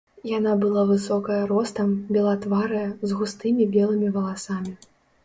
Яна была высокая ростам, белатварая, з густымі белымі валасамі.